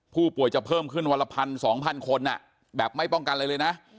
ผู้ป่วยจะเพิ่มขึ้นวันละพัน๒๐๐คนแบบไม่ป้องกันอะไรเลยนะ